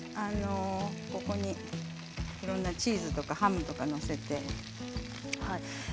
ここに、いろいろなチーズとかハムとかを載せて。